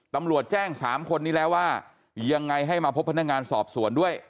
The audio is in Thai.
ตำรวจแจ้ง๓คนนี้แล้วว่ายังไงให้มาพบพนักงานสอบสวนด้วย